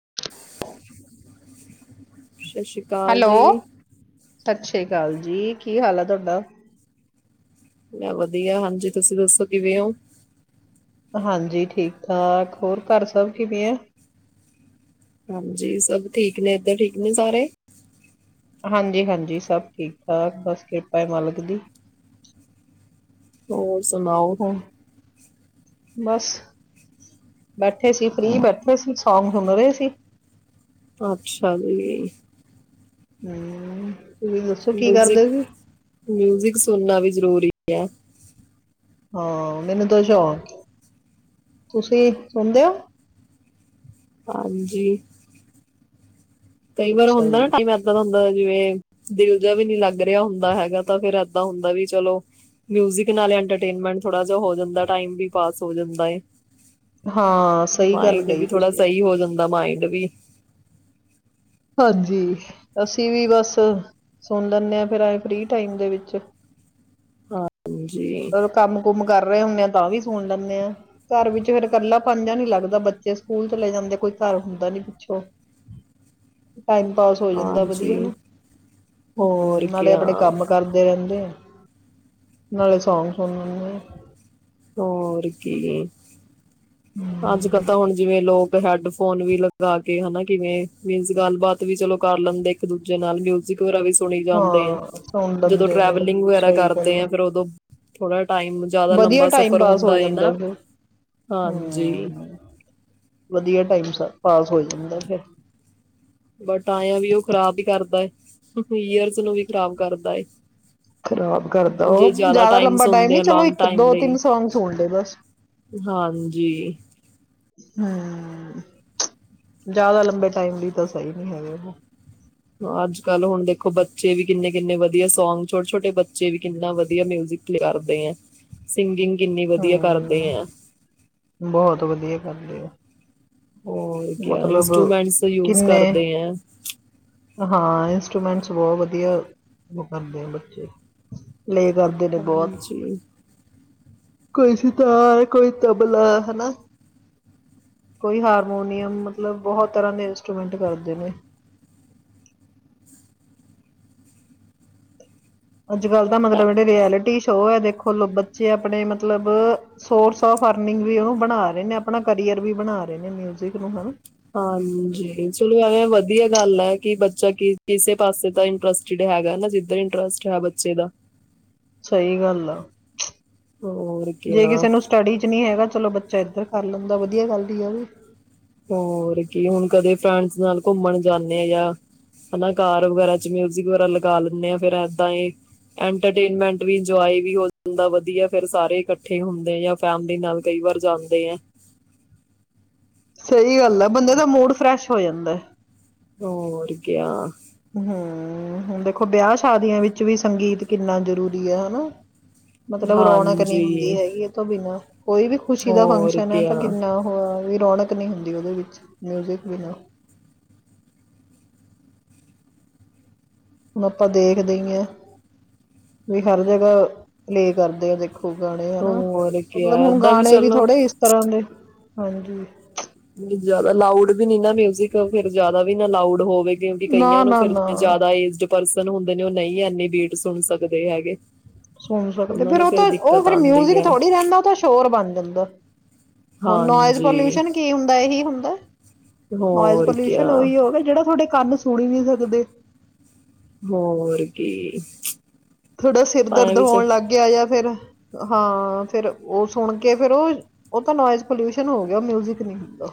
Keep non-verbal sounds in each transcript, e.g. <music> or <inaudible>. <inaudible> ਸਤਿ ਸ੍ਰੀ ਅਕਾਲ ਹੈਲੋ ਜੀ। ਸਤਿ ਸ੍ਰੀ ਅਕਾਲ ਜੀ! ਕੀ ਹਾਲ ਆ ਤੁਹਾਡਾ? ਮੈਂ ਵਧੀਆ ਹਾਂਜੀ, ਤੁਸੀਂ ਦੱਸੋ ਕਿਵੇਂ ਹੋ? ਹਾਂਜੀ, ਠੀਕ ਠਾਕ ਹੋਰ ਘਰ ਸਭ ਕਿਵੇਂ ਆ? ਹਾਂਜੀ, ਸਭ ਠੀਕ ਨੇ ਏਧਰ ਠੀਕ ਨੇ ਸਾਰੇ। ਹਾਂਜੀ, ਹਾਂਜੀ। ਸਭ ਠੀਕ ਠਾਕ। ਬਸ ਕਿਰਪਾ ਹੈ ਮਾਲਕ ਦੀ। ਹੋਰ ਸੁਣਾਓ। ਹ ਬਸ ਬੈਠੇ ਸੀ, ਫ੍ਰਰੀ ਬੈਠੇ ਸੀ, ਸੋਂਗ ਸੁਣ ਰਹੇ ਸੀ। ਅੱਛਾ ਜੀ ਹਮ। ਤੁਸੀਂ ਦੱਸੋ ਕੀ ਮਿਊਜ਼ਿਕ ਕਰਦੇ ਸੀ ਮਿਊਜ਼ਿਕ ਸੁਣਨਾ ਵੀ ਜਰੂਰੀ ਏ ਹਾਂ, ਮੈਨੂੰ ਦੋ ਸ਼ੌਕ ਐ। ਤੁਸੀਂ ਸੁਣਦੇ ਹੋ? ਹਾਂਜੀ। ਕਈ ਵਾਰ ਅੱਛਾ ਹੁੰਦਾ ਜੀ ਨਾ, ਟਾਈਮ ਇੱਦਾਂ ਦਾ ਹੁੰਦਾ। ਜਿਵੇ ਦਿਲ ਜਿਹਾ ਵੀ ਨੀ ਲੱਗ ਰਿਹਾ ਹੁੰਦਾ ਹੈਗਾ, ਤਾਂ ਫੇਰ ਏਦਾਂ ਹੁੰਦਾ ਵੀ ਚਲੋ, ਮਿਊਜਿਕ ਨਾਲ ਇਟਰੇਨਮੈਂਟ ਥੋੜਾ ਜਿਹਾ ਹੋ ਜਾਂਦਾ, ਟਾਈਮ ਵੀ ਪਾਸ ਹੋ ਜਾਂਦਾ ਹੈ। ਹਾਂ, ਸਹੀ ਗੱਲ ਕਹੀ ਤੁਸੀਂ। ਦਾ ਮਾਇੰਡ ਵੀ। ਹਾਂਜੀ, ਅਸੀਂ ਵੀ ਬਸ ਸੁਣ ਲੈਂਦੇ ਆ ਫ੍ਰੀ ਟਾਈਮ ਵਿੱਚ ਹਾਂਜੀ ਕੰਮ-ਕੁਮ ਕਰ ਰਹੇ ਹੁੰਦੇ ਆ ਤਾਂ ਵੀ ਸੁਣ ਲੈਂਦੇ ਆ ਘਰ ਵਿੱਚ, ਫੇਰ ਇਕੇਲਾਪਨ ਜਿਹਾ ਨੀ ਲੱਗਦਾ। ਬੱਚੇ ਸਕੂਲ ਚਲੇ ਜਾਂਦੇ, ਕੋਈ ਘਰ ਹੁੰਦਾ ਨੀ ਪਿੱਛੋ। ਟਾਈਮ ਪਾਸ ਹੋ ਜਾਂਦਾ ਵਧੀਆ, ਹਾਂਜੀ ਨਾ ਹੋਰ ਹਮ ਨਾਲੇ ਆਪਣੇ ਕਿਆ ਕੰਮ ਕਰਦੇ ਰਹਿੰਦੇ ਆ ਨਾਲੇ ਸੌਗ ਸੁਣ ਹੋਰ ਕੀ ਅੱਜ ਕੱਲ ਤਾਂ ਹੁਣ ਜਿਵੇਂ ਲੋਕ ਹੈਡਫੋਨ ਵੀ ਲਗਾ ਕੇ ਹਨਾ। ਕਿਵੇਂ ਮੀਨਸ, ਗੱਲਬਾਤ ਵੀ ਚਲੋ ਕਰ ਲੈਂਦੇ ਇੱਕ ਦੂਜੇ ਨਾਲ, ਮਿਊਜਿਕ ਵੈਗੈਰਾ ਵੀ ਸੁਣੀ ਜਾਂਦੇ ਆ। ਹਾਂ ਸੁਣ ਲੈਂਦੇ ਨੇ ਸਹੀ ਗੱਲ ਆ। ਵਧੀਆ ਟਾਈਮ ਪਾਸ ਹਮ ਵਧੀਆ ਟਾਈਮ ਸ ਪਾਸ ਹੋ ਜਾਂਦਾ ਫਿਰ। ਬਟ ਆਆ ਵੀ ਉਹ ਖਰਾਬ ਵੀ ਕਰਦਾ ਐ। ਖ਼ਰਾਬ ਕਰਦਾ ਉਹ ਜਿਆਦਾ ਟਾਈਮ ਲੰਬਾ ਸੁਣਦੇ ਆ ਲੌਂਗ ਟਾਈਮ ਲਈ ਹਾਂਜੀ ਜ਼ਿਆਦਾ ਲੰਬੇ ਟਾਈਮ ਵੀ ਤਾਂ ਸਹੀ ਨੀ ਹੈਗੇ। ਹਾਂ ਅਜ ਕੱਲ੍ਹ ਹੁਣ ਦੇਖੋ ਬੱਚੇ ਵੀ ਕਿੰਨੇ ਕਿੰਨੇ ਵਧੀਆ ਸੌਂਗ ਛੋਟੇ ਛੋਟੇ ਬੱਚੇ ਵੀ ਕਿੰਨਾ ਵਧੀਆ ਮਿਊਜਿਕ ਪਲੇ ਕਰਦੇ ਆ ਸਿੰਗਿੰਗ ਕਿੰਨੀ ਵਧੀਆ ਕਰਦੇ ਹੂੰ ਆ ਬਹੁਤ ਵਧੀਆ ਕਰਦੇ ਐ ਹੋਰ ਕਿਆ ਇੰਸਟਰ੍ਰੂਮੈਂਟਸ ਯੂਜ ਕਿੰਨੇ ਕਰਦੇ ਆ ਇਟਰੂਮੈਂਟਸ ਬਹੁਤ ਵਧੀਆ ਉਹ ਕਰਦੇ ਆ ਬੱਚੇ ਲੈ ਕਰਦੇ ਨੇ ਬਹੁਤ ਹਾਂਜੀ <unintelligible> ਹੈਨਾ ਕੋਈ ਹਾਰਮੋਨੀਅਮ ਮਤਲਬ ਬਹੁਤ ਤਰ੍ਹਾਂ ਦੇ ਇੰਸਟਰੂਮੈਂਟ ਕਰਦੇ ਨੇ ਅੱਜ ਕੱਲ ਤਾਂ ਅ- ਮਤਲਬ ਜੇਹੜੇ ਰਐਲਲੀਟੀ ਸ਼ੋ ਹੈ ਦੇਖੋ ਬੱਚੇ ਆਪਣੇ ਮਤਲਬ ਸੋਰਸ ਆਫ ਅਰਨਿੰਗ ਵੀ ਉਹਨੂੰ ਬਣਾ ਰਹੇ ਨੇ ਆਪਣਾ ਕਰੀਅਰ ਵੀ ਬਣਾ ਰਹੇ ਨੇ ਮਿਊਜਿਕ ਨੂੰ ਹਨਾ ਹਾਂਜੀ ਚਲੋ ਐਵੇਂ ਵਧੀਆ ਗੱਲ ਹੈ ਕਿ ਬੱਚਾ ਕਿਸੇ ਪਾਸੇ ਦਾ ਇੰਟਰਸਟ ਹੈਗਾ ਨਾ ਜਿਦ ਇੰਟਰਸਟ ਹੈ ਬੱਚੇ ਦਾ ਸਹੀ ਗੱਲ ਆ ਹੋਰ ਕੀ ਜੇ ਕਿਸੇ ਨੂੰ ਸਟੱਡੀ ਚ ਨਹੀਂ ਹੈਗਾ ਚਲੋ ਬੱਚਾ ਇਧਰ ਕਰ ਲੈਂਦਾ ਵਧੀਆ ਗੱਲ ਵੀ ਆ ਵੀ ਹੋਰ ਕੀ ਹੁਣ ਕਦੇ ਫਰੈਂਡਸ ਨਾਲ ਘੁੰਮਣ ਜਾਂਦੇ ਆ ਜਾਂ ਹਨਾ ਕਾਰ ਵਗੈਰਾ ਚ ਮਿਊਜਿਕ ਵਗੈਰਾ ਲਗਾ ਲੈਂਦੇ ਆ ਫੇਰ ਏਦਾਂ ਹੀ ਐਂਟਰਟੇਨਮੈਂਟ ਵੀ ਇੰਜੋਏ ਵੀ ਹੋ ਜਾਂਦਾ ਵਧੀਆ ਫਿਰ ਸਾਰੇ ਇਕੱਠੇ ਹੁੰਦੇ ਆ ਜਾਂ ਫੈਮਲੀ ਨਾਲ ਕਈ ਵਾਰ ਜਾਂਦੇ ਆ ਸਹੀ ਗੱਲ ਹ ਬੰਦੇ ਦਾ ਮੂਡ ਫਰੈਸ਼ ਹੋ ਜਾਂਦਾ ਹੋਰ ਕਿਆ ਹਮਮ ਦੇਖੋ ਵਿਆਹ ਸ਼ਾਦੀਆਂ ਵਿੱਚ ਵੀ ਸੰਗੀਤ ਕਿੰਨਾ ਜ਼ਰੂਰੀ ਹੈ ਹਨਾ ਮਤਲਬ ਰੌਣਕ ਨਹੀਂ ਹੁੰਦੀ ਹਾਂਜੀ ਹੈਗੀ ਇਹ ਤੋਂ ਬਿਨਾਂ ਕੋਈ ਵੀ ਖੁਸ਼ੀ ਦਾ ਹੋਰ ਫੰਕਸ਼ਨ ਹੈ ਤਾਂ ਕਿਆ ਕਿੰਨਾ ਉਹ ਬਈ ਰੌਣਕ ਨਹੀਂ ਹੁੰਦੀ ਉਹਦੇ ਵਿੱਚ ਮਿਊਜਿਕ ਵੀ ਨਾ ਹੁਣ ਆਪਾਂ ਦੇਖਦੇ ਹੀ ਹ ਵੀ ਹਰ ਜਗ੍ਹਾ ਪਲੇਅ ਕਰਦੇ ਹਾਂ ਦੇਖੋ ਗਾਣੇ ਹਨਾ ਹੋਰ ਕਿਆ ਮਤਲਬ ਹੁਣ ਏਦਾਂ ਗਾਣੇ ਵੀ ਚਲੋ ਥੋੜੇ ਇਸ ਤਰ੍ਹਾਂ ਦੇ ਹਾਂਜੀ ਨਹੀਂ ਜਿਆਦਾ ਲਾਉੜ ਨ ਨਾ ਮਿਊਜਿਕ ਫਰ ਜ਼ਿਆਦਾ ਇੰਨਾ ਲਾਊਡ ਹੋਵੇ ਕਿਉਂਕਿ ਨਾ ਕਈਆਂ ਨੂੰ ਨਾ ਫਿਰ ਨਾ ਜ਼ਿਆਦਾ ਏਜਡ ਪਰਸਨ ਹੁੰਦੇ ਨੇ ਉਹ ਨਹੀਂ ਇਨੀੇ ਬੀਟ ਸੁਣ ਸਕਦੇ ਹੈਗੇ ਸੁਣ ਸਕਦੇ ਉਹਨਾਂ ਫਿਰ ਨੂੰ ਉਹ ਤਾਂ ਉਹ ਦਿੱਕਤ ਫਿਰ ਆਉਂਦੀ ਮਿਊਜਿਕ ਹੈ ਥੋੜ੍ਹੀ ਰਹਿੰਦਾ ਉਹ ਤਾਂ ਸ਼ੋਰ ਬਣ ਜਾਂਦਾ ਹੁਰ ਨੋਇਜ਼ ਹਾਂਜੀ ਪੋਲਿਊਸ਼ਨ ਕੀ ਹੁੰਦਾ ਇਹੀ ਹੁੰਦਾ ਨੋਇਜ਼ ਹੋਰ ਕਿਆ ਪੋਲਿਊਸ਼ਨ ਉਹੀ ਹੋ ਗਿਆ ਜਿਹੜਾ ਤੁਹਾਡੇ ਸਾਨੂ ਸੁਣ ਹੀ ਨਹੀਂ ਸਕਦੇ ਹੋਰ ਕੀ ਥੋਡਾ ਸਿਰ ਪਾਇਆ ਦਰਦ ਵਿੱਚ ਹੋਣ ਲੱਗ ਗਿਆ ਜਾਂ ਫਿਰ ਹਾਂ ਫਿਰ ਉਹ ਸੁਣ ਕੇ ਫੇਿਰ ਉਹ ਉਹ ਤਾਂ ਨੋਇਜ਼ ਪੋਲਿਊਸ਼ਨ ਹੋ ਗਿਆ ਮਿਊਜਿਕ ਨਹੀਂ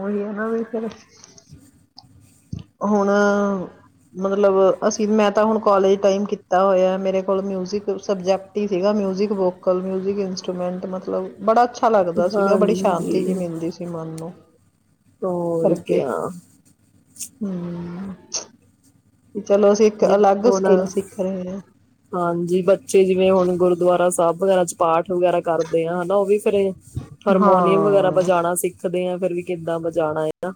ਉਹੀ ਹੈ ਨਾ ਫਿਰ ਹੁਣ ਮਤਲਬ ਅਸੀਂ ਮੈਂ ਤ ਹੁਣ ਕਾਲਜ ਟਮ ਕੀਤਾ ਹੋਆ ਮੇਰੇ ਕੋਲ ਮਿਊਜਿਕ ਸਬਜੈਕਟ ਹੀ ਸੀਗਾ ਮਿਜਿਕ ਵੋਕਲ ਮਿਜਿਕ ਇੰਸਟਰੂਮੈਂਟ ਮਤਲਬ ਬੜਾ ਅੱਛਾ ਲੱਗਦਾ ਸੀਗਾ ਬੜੀ ਸ਼ਾਂਤੀ ਜੀ ਹਾਂਜੀ ਮਿਲਦੀ ਸੀ ਮਨ ਨੂੰ ਹੋਰ ਕਰਕੇ ਕਿਆ। <inaudible> ਇੱਕ ਜਿਵੇਂ ਅਲੱਗ ਹੁਣ ਸਕਿੱਲ ਸਿੱਖ ਰਹੇ ਹਾਂ ਹਾਂਜੀ ਬੱਚੇ ਜਿਵੇਂ ਹੁਣ ਗੁਰਦੁਆਰਾ ਸਾਹਿਬ। ਲੋ ਅੱਜ ਪਾਠ ਵਗੈਰਾ ਕਰਦੇ ਹਨ। ਲੋ ਵੀ ਫਿਰ ਹਰਮੋਨੀਅਮ ਵਗੈਰਾ ਹਾਂ ਵਜਾਉਣਾ ਸਿੱਖਦੇ ਆ। ਫਿਰ ਵੀ ਕਿੱਦਾਂ ਬਚਾਣ ਆਇਆ।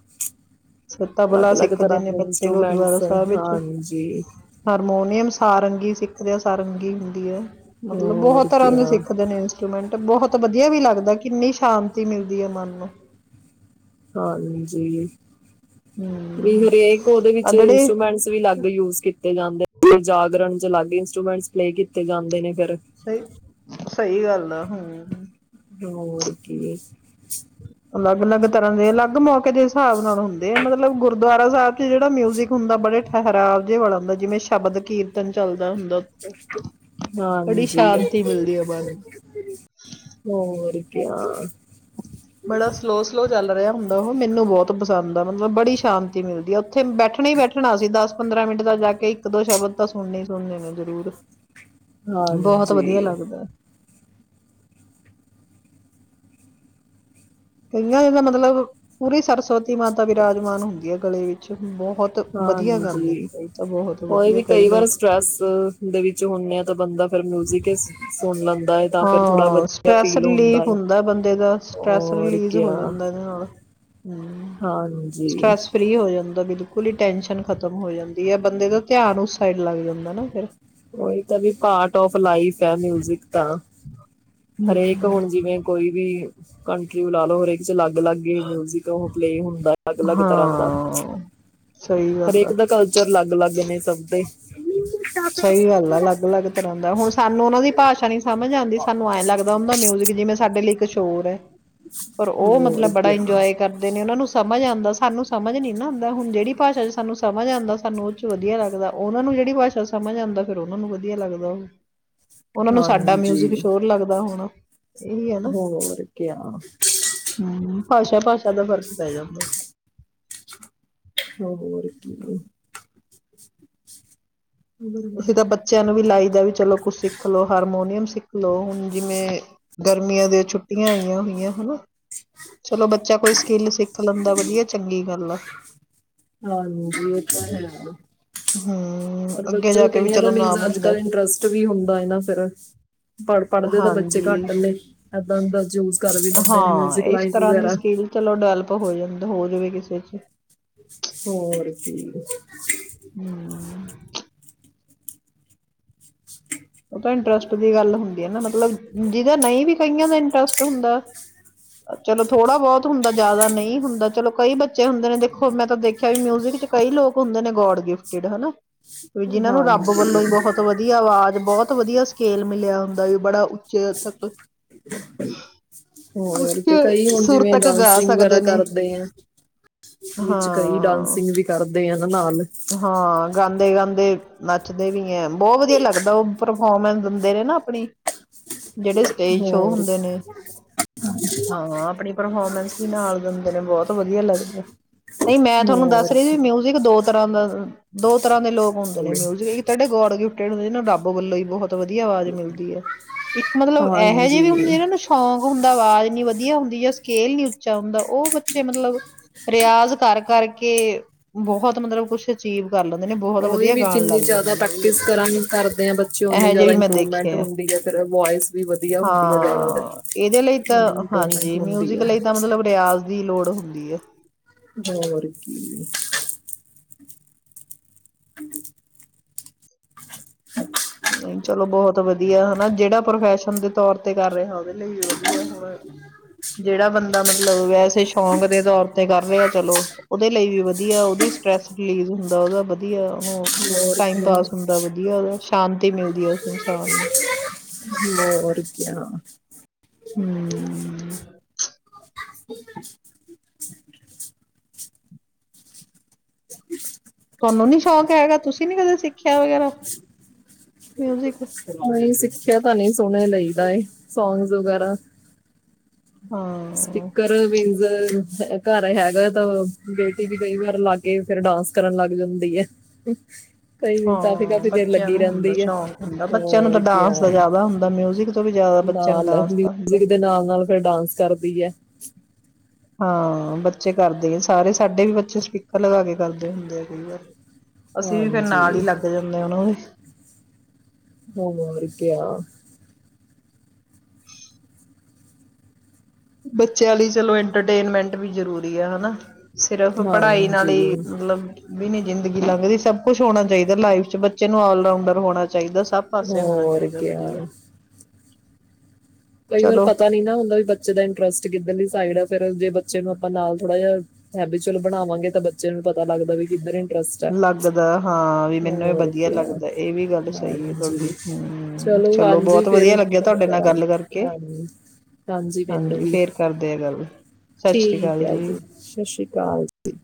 ਸਭ ਦਾ ਬਲਾ ਭਲਾ ਸਿੱਖਦੇ ਨੇ ਬੱਚੇ ਗੁਰਦੁਆਰਾ ਇੰਸਟਰੂਮੈਂਟਸ ਸਾਹਿਬ ਵਿੱਚ। ਹਾਂਜੀ ਹਾਰਮੋਨੀਅਮ ਸਾਰੰਗ। ਕੀ ਸਿੱਖਦੇਆਂ ਸਾਰੰਗੀ ਹੁੰਦੀ ਹੈ। ਮਤਲਬ ਹੋਰ ਬਹੁਤ ਤਰ੍ਹਾਂ ਦੇ ਕਿਆ ਸਿੱਖਦੇ ਨੇ ਇੰਸਟਰੂਮੈਂਟ। ਬਹੁਤ ਵਧੀਆ ਵੀ ਲੱਗਦਾ ਕਿੰਨੀ ਸ਼ਾਂਤੀ ਮਿਲਦੀ ਹੈ ਮਨ ਨੂੰ। ਹਾਂਜੀ। ਹਮ ਹਰੇਕ ਉਹਦੇ ਵਿੱਚ ਆ ਜਿਹੜੇ ਇੰਸਟਰੂਮੈਂਟਸ ਵੀ ਅਲੱਗ ਯੂਜ ਤੇ ਜਾਂਦੇ ਜਾਗਰਣ ਚ ਅਲੱਗ ਇੰਸਟਰੂਮੈਂਟਸ ਪਲੇ ਕੀਤੇ ਜਾਂਦੇ ਨੇ ਫਿਰ। ਸਹੀ ਸਹੀ ਗੱਲ ਆ ਹੂ। ਤੇ ਹੋਰ ਕੀ। ਅਲੱਗ। ਅਲੱਗ ਤਰ੍ਹਾਂ ਦੇ ਅਲੱਗ <unintelligible> ਕਦੇ ਹਿਸਾਬ ਨਾਲ ਹੁੰਦੇ ਆ ਮਤਲਬ। ਮਤਲਬ ਗੁਰਦੁਆਰਾ ਸਾਹਿਬ ਚ ਜਿਹੜਾ ਮਿਊਜਿਕ ਹੁੰਦਾ ਬੜੇ ਠਹਿਰਾਵ ਜੇ ਵਾਲਾ ਹੁੰਦਾ ਜਿਵੇ ਸ਼ਬਦ ਕੀਰਤਨ ਚੱਲਦਾ ਹੁੰਦਾ। ਬੜੀ ਹਾਂਜੀ ਸ਼ਾਂਤੀ ਮਿਲਦੀ ਆ ਮਨ ਨੂੰ। ਤੇ ਹਾਂ। ਬੜਾ ਸਲੋ- ਸਲੋ ਚੱਲ ਰਿਹਾ। ਹੁੰਦਾ ਹੋ ਮੈਨੂੰ ਬਹੁਤ ਪਸੰਦ ਆ ਮਤਲਬ ਬੜੀ ਸ਼ਾਂਤੀ ਮਿਲਦੀ ਆ ਉੱਥੇ ਬੈਠਣਾ ਹੀ ਬੈਠਣਾ ਸੀ ਦਸ ਪੰਦਰਾਂ ਮਿੰਟ ਦਾ ਜਾ ਕੇ ਇੱਕ ਦੋ ਸ਼ਬਦ ਤਾਂ ਸੁਣਨੇ ਸੁਣਨੇ ਜ਼ਰੂਰ। ਬਹੁਤ ਵਧੀਆ ਹਾਂਜੀ ਲੱਗਦਾ। ਕਈਆਂ ਦੇ ਤੇ ਮਤਲਬ ਪੂਰੀ ਸਰਸਵਤੀ ਤੇ ਮਾਤਾ ਵਿਰਾਜਮਾਨ ਹੁੰਦੀ ਹੈ ਗਲੇ ਵਿੱਚ। ਬਹੁਤ ਵਧੀਆ ਗਾਉਂਦੇ ਨੇ ਹਾਂਜੀ, ਕਈ ਤਾਂ ਬਹੁਤ ਕੋਈ ਵਧੀਆ ਵੀ ਕਈ ਵਾਰ ਲੋਕ ਸਟਰ੍ਰੈਸ ਦੇ ਵਿੱਚ ਹੁੰਨੇ ਆ ਤਾਂ ਬੰਦਾ ਫਿਰ ਮਿਊਜਿਕ ਹੀ ਸੁਣ ਲੈਂਦਾ ਹੈ ਤਾਂ ਫਿਰ ਥੋੜਾ ਹਾਂ ਵਧੀਆ ਸਟ੍ਰੈਸ ਫੀਲ ਹੁੰਦਾ ਰਿਲੀਫ ਹੈ। ਬੰਦੇ ਦਾ <unintelligible> ਸਟ੍ਰੈਸ ਰਿਲੀਜ਼ ਹੋ ਜੰਦਾ ਹੈ ਨਾ ਹ ਹਾਂਜੀ ਸਟਰ੍ਰੈਸ ਫ੍ਰਰੀ ਹੋ ਜਾਂਦਾ ਬਿਲਕੁਲ। ਫੁਲੀ ਟੈਨਸ਼ਨ ਖ਼ਤਮ ਹੋ ਜਾਂਦੀ ਹੈ ਬੰਦੇ ਦਾ ਧਿਆਨ ਉਸ ਸਾਈਡ ਲੱਗ ਜਾਂਦਾ ਨਾ ਫਿਰ। ਉਹੀ ਤਾਂ ਵੀ ਪਾਰਟ ਆਫ ਲਾਈਫ ਆ ਮਿਊਜਿਕ ਤਾ ਹਮ ਹਰੇਕ ਨੂੰ ਹੁਣ ਜਿਵੇਂ ਕੋਈ ਵੀ ਕਣਕੀ <unintelligible> ਲਾਲੋ ਰਹੇਗੀ। ਅਲੱਗ ਅਲੱਗ ਮਿਊਜਿਕ ਉਹ ਪਲੇ ਹੁੰਦਾ, ਅਲੱਗ ਅਲੱਗ ਤਰ੍ਹਾਂ ਦਾ ਹਾਂ ਸਹੀ ਗੱਲ ਆ ਹਰੇਕ ਦਾ ਕਲਚਰ ਅਲੱਗ ਅਲੱਗ ਨੇ ਸਭ ਦੇ <unintelligible> ਸਹੀ ਗੱਲ ਅਲੱਗ ਅਲੱਗ ਤਰ੍ਹਾਂ ਦਾ ਹੁਣ ਸਾਨੂੰ ਉਹਨਾਂ ਦੀ ਭਾਸ਼ਾ ਨੀ ਸਮਝ ਆਉਂਦੀ, ਸਾਨੂੰ ਐਂ ਲੱਗਦਾ ਹੁੰਦਾ ਮਿਊਜਿਕ ਜਿਵੇਂ ਸਾਡੇ ਇਕ ਸ਼ੋਰ ਹੈ। ਪਰ ਉਹ ਹੋਰ ਮਤਲਬ ਬੜਾ ਕਿਆ ਇੰਜੋਏ ਕਰਦੇ ਨੇ ਉਹਨਾਂ ਨੂੰ ਸਭ ਸਮਝ ਆਉਂਦਾ ਸਾਨੂੰ ਸਮਝ ਨੀ ਨਾ ਆਂਦਾ, ਹੁਣ ਜਿਹੜੀ ਭਾਸ਼ਾ ਚ ਸਾਨੂੰ ਸਮਝ ਆਉਂਦਾ ਸਾਨੂੰ ਉਹ ਚ ਵਧੀਆ ਲੱਗਦਾ, ਉਹਨਾਂ ਨੂੰ ਜਿਹੜੀ ਭਾਸ਼ਾ ਸਮਝ ਆਉਂਦਾ, ਫਿਰ ਉਹਨਾ ਨੂੰ ਵਧੀਆ ਲੱਗਦਾ ਉਹ। ਉਹਨਾਂ ਨੂੰ ਸਾਡਾ ਹਾਂਜੀ ਮਿਊਜਿਕ ਸ਼ੋਰ ਲੱਗਦਾ ਹੋਣਾ। ਇਹੀ ਹੈ ਨਾ ਹੋਰ ਕਿਆ ਭਾਸਾ ਫ਼ਰਕ ਪੈ ਜਾਂਦਾ। ਹੋਰ ਕੀ ਅਸੀ ਤਾਂ ਬੱਚਿਆਂ ਨੂੰ ਵੀ ਲਾਈਦਾ ਵੀ ਚਲੋ ਕੁਛ ਸਿੱਖ ਲਓ, ਹਾਰਮੋਨੀਅਮ ਸਿੱਖ ਲਓ ਹੁਣ ਜਿਵੇਂ ਗਰਮੀਆਂ ਦੀ ਛੁੱਟੀਆਂ ਆਈਆਂ ਹੋਈਆਂ ਹਨਾ। ਚਲੋ ਬੱਚਾ ਕੋਈ ਸਕਿੱਲ ਸਿੱਖ ਲੈਂਦਾ, ਵਧੀਆ ਚੰਗੀ ਗੱਲ ਆ। ਹਾਂਜੀ ਇਹ ਤਾਂ ਹਮ ਹੈ। ਅੱਗੇ ਬੱਚੇ ਜਾ ਨੂੰ ਕੇ ਵੀ ਕਈਆਂ ਦਾ ਚਲੋ ਮੀਨਜ਼ ਨਾਮ ਅੱਜ ਹੁੰਦਾ ਕੱਲ ਫਿਰ। ਇੰਟਰਸਟ ਵੀ ਹੁੰਦਾ ਨਾ ਫਿਰ ਪੜ੍ਹ ਪੜ੍ਹਦੇ ਤਾਂ ਬੱਚੇ ਹਾਂਜੀ ਘੱਟ ਨੇ ਏਦਾਂ ਦਾ ਚੂਜ਼ ਕਰ ਵੀ ਲੈਂਦੇ ਨੇ ਹਾਂ ਮਿਊਜ਼ਿਕ ਇਸ ਲਾਈਨ ਤਰ੍ਹਾਂ ਦੀ ਵਗੈਰਾ ਸਕਿੱਲ ਚਲੋ ਡਿਵੈਲਪ ਹੋ ਹੋ ਜਾਵੇ ਕਿਸੇ ਚ ਹੋਰ ਕੀ ਹੂੰ। ਉਹ ਤਾਂ ਇੰਟਰਸਟ ਦੀ ਗੱਲ ਹੁੰਦੀ ਹੈ ਨਾ, ਮਤਲਬ ਜਿਹਦਾ ਨਹੀਂ ਵੀ ਕਈਆਂ ਦਾ ਇੰਟਰਸਟ ਹੁੰਦਾ, ਚਲੋ ਥੋੜਾ ਬਹੁਤ ਹੁੰਦਾ ਜ਼ਿਆਦਾ ਨਹੀਂ ਹੁੰਦਾ ਚਲੋ ਕਈ ਬੱਚੇ ਹੁੰਦੇ ਨੇ, ਦੇਖੋ ਮੈਂ ਤਾਂ ਦੇਖਿਆ ਵੀ ਮਿਊਜਿਕ ਚ ਕਈ ਲੋਕ ਹੁੰਦੇ ਨੇ ਗੋਡ ਗਿਫਟਿਡ ਹਨਾ। ਵੀ ਜਿੰਨਾ ਨੂੰ ਰੱਬ ਵੱਲੋਂ ਹੀ ਹਾਂਜੀ ਬਹੁਤ ਵਧੀਆ ਆਵਾਜ਼ ਬਹੁਤ ਵਧੀਆ ਸਕੇਲ ਮਿਲਿਆ ਹੁੰਦਾ ਵੀ ਬੜਾ ਤੱਕ ਉੱਚ ਹੋਰ ਕਿ ਕਈ ਹੁਣ ਸੁਰ ਜਿਵੇਂ ਤੱਕ ਗਾ ਡਾਂਸਿੰਗ ਵਗੈਰਾ ਸਕਦੇ ਨੇ ਕਰਦੇ ਆ ਵਿੱਚ ਕਈ ਹਾਂ, ਡਾਂਸਿੰਗ ਵੀ ਕਰਦੇ ਆ ਨਾ ਨਾਲ ਹਾਂ ਗਾਉਂਦੇ, ਗਾਉਂਦੇ ਨੱਚਦੇ ਵੀ ਹੈ, ਬਹੁਤ ਵਧੀਆ ਲੱਗਦਾ। ਜਿੰਦਾ ਉਹ ਪਰਫੋਰਮੈਂਸ ਦਿੰਦੇ ਨੇ ਨਾ ਆਪਣੀ ਜਿਹੜੇ ਸਟੇਜ ਸ਼ੋ ਹੋਰ ਹੁੰਦੇ ਨੇ। ਹਾਂ, ਆਪਣੀ ਪਰਫੋਰਮੈਂਸ ਵੀ ਨਾਲ ਦਿੰਦੇ ਨੇ ਬਹੁਤ ਵਧੀਆ ਲੱਗਦਾ। ਨਹੀਂ ਮੈਂ ਤੁਹਾਨੂੰ ਦੱਸ ਹੋਰ ਰਹੀ ਸੀ ਵੀ, ਕੀ। ਮਿਊਜਿਕ ਦੋ ਤਰ੍ਹਾਂ ਦਾ ਦੋ ਤਰ੍ਹਾਂ ਦੇ ਲੋਕ ਹੁੰਦੇ ਨੇ ਮਿਊਜਿਕ ਇੱਕ ਤੇ ਗੋਡ ਗਿਫਿਟ <unintelligible> ਰੱਬ ਵੱਲੋਂ ਹੀ ਬਹੁਤ ਵਧੀਆ ਆਵਾਜ਼ ਮਿਲਦੀ ਹੈ, ਇੱਕ ਮਤਲਬ ਇਹੋ ਜਿਹੇ ਵੀ ਹਾਂਜੀ ਹੁੰਦੇ ਨਾ ਸ਼ੌਂਕ ਹੁੰਦਾ, ਆਵਾਜ਼ ਇੰਨੀ ਵਧੀਆ ਹੁੰਦੀ। ਜਾਂ ਸਕੇਲ ਨੀ ਉੱਚਾ ਹੁੰਦਾ ਉਹ ਬੱਚੇ ਮਤਲਬ ਰਿਆਜ਼ ਕਰ ਕਰਕੇ ਬਹੁਤ ਮਤਲਬ ਕੁਛ ਅਚੀਵ ਕਰ ਲੈਂਦੇ ਨੇ ਬਹੁਤ ਉਹੀ ਵਧੀਆ ਵੀ ਗਾਣ ਜਿੰਨੀ ਲੱਗ ਜ਼ਿਆਦਾ ਜਾਂਦੇ ਨੇ ਉਹ ਵੀ ਪ੍ਰੈਕਟਿਸ ਬੱਚੇ ਕਰਾਂਗੇ ਕਰਦੇ ਆ ਬੱਚੇ ਓਨੀ ਇਹੋ ਜਿਹੇ ਜਿਆਦਾ ਵੀ ਮੈਂ ਇੰਪਰੂਵਮੈਂਟ ਦੇਖੇ ਆ ਹੁੰਦੀ ਹੈ ਫਿਰ ਵਇਸ ਵੀ ਵਧੀਆ ਹੁੰਦੀ ਹੈ। ਜ਼ਿਆਦਾ ਫ ਹਾਂ ਇਹਦੇ ਲਈ ਓਨੀ ਤਾਂ ਇੰਪਰੂਵਮੈਂਟ ਹਾਂਜੀ ਹੁੰਦੀ ਮਿਊਜਿਕ ਹੈ। ਲਈ ਤਾਂ ਮਤਲਬ ਰਿਆਜ਼ ਦੀ ਲੋੜ ਹੁੰਦੀ ਹੈ। ਹ ਮਰ ਕੀ <unintelligible> ਨਹੀਂ ਚਲੋ ਬਹੁਹਤ ਵਧੀਆ ਹਨਾ ਜਿੜਾ ਪ੍ਰੋਫੈਸ਼ਨ ਦੇ ਤਰ ਤੇ ਕਰ ਰਿਹਾ ਦੇ ਲਈ ਵੀ ਵਧਆ ਜਿਹੜਾ ਬੰਦਾ ਮਤਲਬ ਵੈਸੇ ਸ਼ੌਕ ਦੇ ਤਰ ਤੇ ਕਰ ਰਿਹਾ ਚਲੋ ਓਦੇ ਲਈ ਵੀ ਵਧੀਆ ਓ ਸਸ ਰਿਲੀਜ਼ ਹੁੰਦਾਓਦਾ ਵਧੀਆੂੰ ਹੋਰ ਟਾਈਮ ਕੀ ਪਾਸ ਹੁੰਦਾ ਵਧੀਆ ਵਧੀਆ ਸ਼ਾਂਤੀ ਮਿਲਦੀ ਹੈ। ਉਸ ਇਨਸਾਨ ਨੂੰ <unintelligible> ਹੂ ਤੁਹਾਨੂੰ ਨੀ ਸ਼ੌਕ ਹੈਗਾ ਤੁਸੀਂ ਨੀ ਕਦੇ ਸਿੱਖਿਆ ਵਗੈਰਾ ਮਿਊਜਿਕ ਸਿੱਖਿਆ ਤਾਂ ਨਹੀ ਸੁਣ ਲਈਦਾ ਸੌਗਸ ਵਗੈਰਾ ਹਾਂ ਸਪੀਕਰ ਘਰ ਹੈਗਾ ਤਾਂ ਬੇਟੀ ਵੀ ਕਈ ਵਾਰ ਲਾ ਕੇ ਫੇਿਰ ਡਾਂਸ ਕਰਨ ਲੱਗ ਜਾਂਦੀ ਹੈ। ਕਈ ਕਾਫੀ ਹਾਂ ਕਾਫੀ ਦੇਰ ਬੱਚਿਆਂ ਲੱਗੀ ਨੂੰ ਹੁੰਦਾ ਰਹਿੰਦੀ ਹੈ ਸ਼ੌਕ ਹੁੰਦਾ ਬੱਚਿਆਂ ਨੂੰ ਹੋਰ ਤਾਂ ਡਾਂਸ ਦਾ ਕ ਜ਼ਿਆਦਾ ਹੁੰਦਾ ਮਿਊਜਿਕ ਤੋਂ ਵੀ ਜ਼ਿਆਦਾ ਬੱਚਿਆਂ ਨੂੰ ਨਾਲ ਡਾਂਸ ਦਾ ਹੁੰਦਾ ਮਿਊਜਿਕ ਦੇ ਨਾਲ -ਨਾਲ ਫਿਰ ਡਾਂਸ ਕਰਦੀ ਹੈ। <inaudible> ਹਾਂ ਬੱਚੇ ਕਰਦੇ ਸਾਰੇ ਸਾਡੇ ਵੀ ਬੱਚੇ ਸਪੀਕਰ ਲਗਾ ਕੇ ਕਰਦੇ ਹੁੰਦੇ ਆ ਕਈ ਵ ਅਸੀਂ ਵੀ ਫਿਰ ਨਾਲ ਹਾਂਜੀ ਹੀ ਲੱਗ ਜਾਂਦੇ ਹ ਉਹ ਨੂੰ ਵੀ। ਹੋਰ ਕਿਆ ਬੱਚਿਆਂ ਲਈ ਚਲੋ ਇੰਟਰਟੇਨਮੈਂਟ ਵੀ ਜ਼ਰੂਰੀ ਆ ਹਨਾ ਸਿਰਫ ਪੜ੍ਹਾਈ ਨਾਲ ਹੀ ਹਾਂਜੀ ਮਤਲਬ ਵੀ ਨ ਜ਼ਿੰਦਗੀ ਲੰਘਦੀ ਸਭ ਕੁਛ ਹੋਣਾ ਚਾਹੀਦਾ ਲਾਈਫ ਚ ਬੱਚੇ ਨੂੰ ਆਲਰਾਊਂਡਰ ਹੋਣਾ 'ਚ ਚਾਹੀਦਾ ਸਭ ਪਾਸੇ ਹੋਣਾ ਹੋਰ ਚਾਹੀਦਾ ਕੀ ਵਧੀਆ ਕਈ ਵਾਰ ਚਲੋ ਪਤਾ ਨੀ ਨਾ ਹੁੰਦਾ ਵੀ ਬੱਚੇ ਦਾ ਇੰਟਰਸਟ ਕਿੱਧਰਲੀ ਸਾਈਡ ਹੈ। ਫ਼ਿਰਰ ਜੇ ਬੱਚੇ ਨੂੰ ਆਪਾਂ ਨਾਲ ਥੋੜਾ ਜਿਹਾ ਹੈਬੀਚਲ ਬਣਾਵਾਂਗੇ ਤਾਂ ਬੱਚੇ ਨੂੰ ਪਤਾ ਲੱਗਦਾ ਵੀ ਕਿੱਧਰ ਇੰਟਰਸਟ ਹੈ ਲੱਗਦਾ ਹਾਂ ਵੀ ਮੈਨੂੰ ਇਹ ਹੋਰ ਵਧੀਆ ਕੀ ਲੱਗਦਾ ਇਹ ਵੀ ਗੱਲ ਸਹੀ ਹੈ। ਹਾਂਜੀ ਤੁਹਾਡੀ ਹਮ ਚਲੋ ਹਾਂਜੀ ਬਹੁਤ ਵਧੀਆ ਫਿਰ ਲੱਗਿਆ ਕਦੋਂ ਤੁਹਾਡੇ ਨਾਲ ਗੱਲ ਕਰਕੇ ਕਰਾਂਗੇ ਹਾਂਜੀ -ਹਾਂਜੀ ਮੈਨੂੰ ਵੀ ਫੇਰ ਕਰਦੇ ਆ ਗੱਲ ਸਤਿ ਸ੍ਰੀ ਠੀਕ ਅਕਾਲ ਆ ਜੀ ਸਤਿ ਸ੍ਰੀ ਅਕਾਲ ਜੀ।